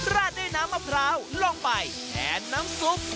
ราดด้วยน้ำมะพร้าวลงไปแทนน้ำซุป